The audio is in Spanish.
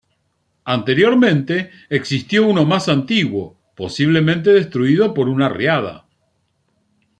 Anteriormente existió uno más antiguo, posiblemente destruido por una riada.